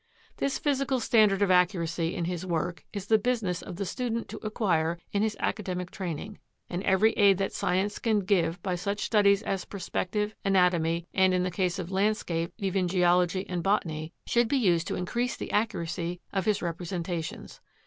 This physical standard of accuracy in his work it is the business of the student to acquire in his academic training; and every aid that science can give by such studies as Perspective, Anatomy, and, in the case of Landscape, even Geology and Botany, should be used to increase the accuracy of his representations.